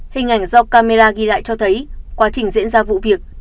hình ảnh do camera ghi lại cho thấy quá trình diễn ra vụ việc